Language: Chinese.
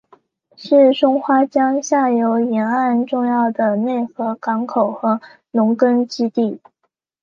是松花江下游沿岸重要的内河港口和农垦基地。